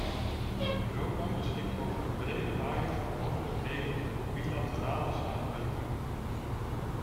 Europa beschikt over een brede waaier van mogelijkheden voor bilaterale samenwerking.